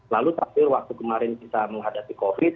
lalu terakhir waktu kemarin kita menghadapi covid